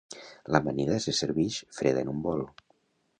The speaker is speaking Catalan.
L'amanida se servix freda en un bol.